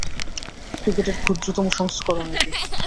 ক্রিকেটের ক্ষুদ্রতর সংস্করণ এটি।